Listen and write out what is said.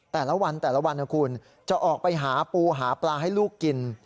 แต่ละวันแต่ละวันนะคุณจะออกไปหาปูหาปลาให้ลูกกิน